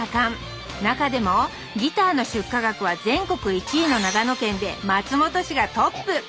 中でもギターの出荷額は全国１位の長野県で松本市がトップ！